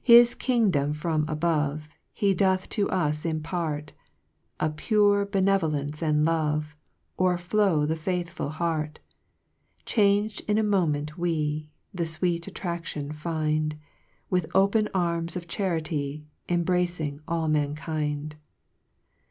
4 His kingdom from above, He doth to us impart, And pure benevolence and love, O'erflow the faithful heart : Chang'd in a moment we The fweet attraction find, With open arms of Charity Embracing all mankind.